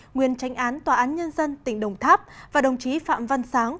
nguyên tránh án tòa án nhân dân tỉnh đồng tháp và đồng chí phạm văn sáng